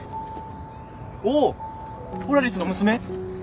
おおっポラリスの娘。